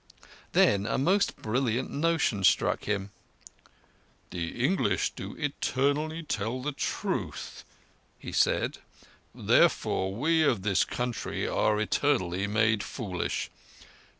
Then a most brilliant notion struck him. "The English do eternally tell the truth," he said, "therefore we of this country are eternally made foolish.